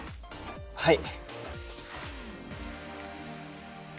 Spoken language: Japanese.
はい。